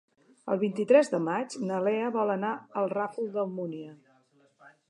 El vint-i-tres de maig na Lea vol anar al Ràfol d'Almúnia.